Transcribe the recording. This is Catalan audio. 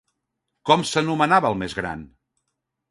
Com s'anomenava el més gran?